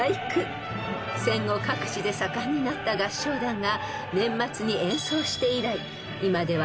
［戦後各地で盛んになった合唱団が年末に演奏して以来今では］